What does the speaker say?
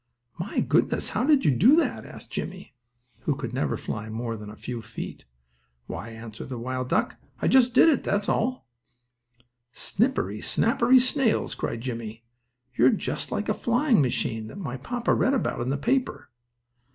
"My goodness! How do you do that?" asked Jimmie, who never could fly more than a few feet. "Why," answered the wild duck, "I just did it, that's all." "Snippery, snappery snails!" cried Jimmie, "you're just like a flying machine that my papa read about in the paper."